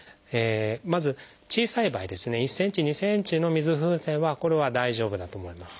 まず小さい場合ですね１ｃｍ２ｃｍの水風船はこれは大丈夫だと思います。